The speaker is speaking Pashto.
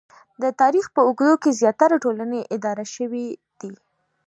د تاریخ په اوږدو کې زیاتره ټولنې اداره شوې دي